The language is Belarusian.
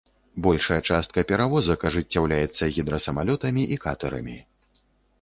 Большая частка перавозак ажыццяўляецца гідрасамалётамі і катэрамі.